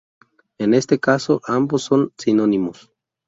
En este caso ambos son sinónimos.